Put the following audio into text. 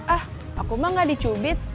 ah aku mah gak dicubit